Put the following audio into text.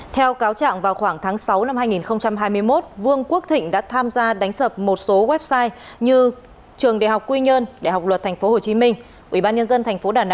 theo cáo trạng vào khoảng tháng sáu năm hai nghìn hai mươi một vương quốc thịnh đã tham gia đánh sập một số website như trường đại học quy nhơn đại học luật tp hcm ubnd tp đà nẵng